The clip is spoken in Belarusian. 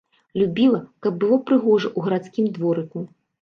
Любіла, каб было прыгожа ў гарадскім дворыку.